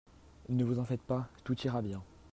Ne vous en faites pas. Tout ira bien.